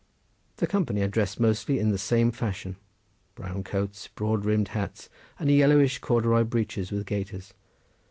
The company are dressed mostly in the same fashion—brown coats, broad brimmed hats, and yellowish corduroy breeches with gaiters.